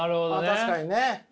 確かにね。